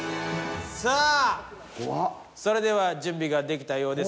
さあそれでは準備ができたようです。